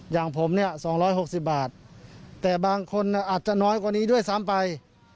อย่างผมเนี่ย๒๖๐บาทแต่บางคนอาจจะน้อยกว่านี้ด้วยซ้ำไป